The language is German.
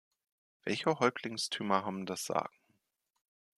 Welche Häuptlingstümer haben das Sagen?